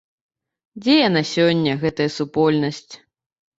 Дзе яна сёння, гэтая супольнасць?